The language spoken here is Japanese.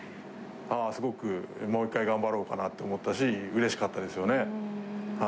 すごく、もう一回頑張ろうかなって思ったし、うれしかったですよね。